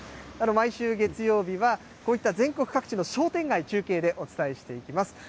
毎週月曜日は、こういった全国各地の商店街、中継でお伝えしていきます。